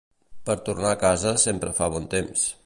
Per tornar a casa sempre fa bon temps.